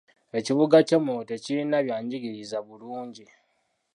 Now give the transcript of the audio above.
Ekibuga ky'e Moyo tekirina byanjigiriza bulungi.